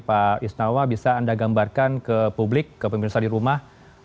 pak isnawa bisa anda gambarkan ke publik ke pemirsa di rumah